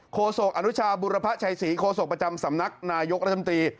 โศกอนุชาบุรพชัยศรีโคศกประจำสำนักนายกรัฐมนตรี